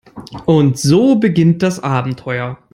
Und so beginnt das Abenteuer.